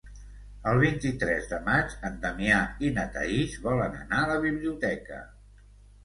El vint-i-tres de maig en Damià i na Thaís volen anar a la biblioteca.